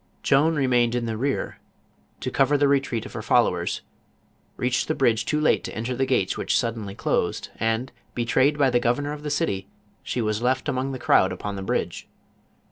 Joan remaining in the rear, to cover the retreat of her follower.*, reached the bridge too late to enter the gates which suddenly closed; and, betrnyed by the governor of the city, she was left among the crowd upon the bridge.